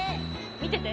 見てて。